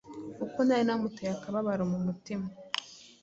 kuko nari namuteye akababaro mu mutima.